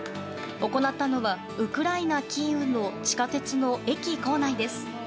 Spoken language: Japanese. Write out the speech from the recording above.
行ったのはウクライナ・キーウの地下鉄の駅構内です。